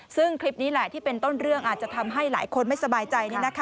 ซึ่งคลิปนี้แหละที่เป็นต้นเรื่องอาจจะทำให้หลายคนไม่สบายใจ